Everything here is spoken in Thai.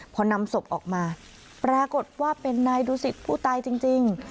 พอนำศพออกมาปรากฏว่าเป็นนายดูสิตผู้ตายจริง